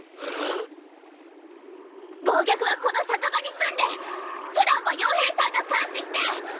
暴虐はこの酒場に住んで普段は傭兵さんが監視して！